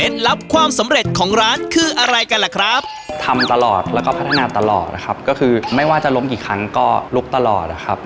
ทำตลอดแล้วก็พัฒนาตลอดนะครับก็คือไม่ว่าจะล้มกี่ครั้งก็ลุกตลอดนะครับ